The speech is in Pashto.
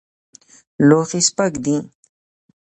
لوښی سپک دی.